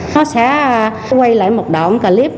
nó sẽ quay lại một đoạn clip